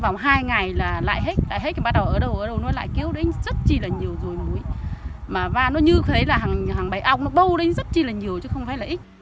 tỉnh thanh hóa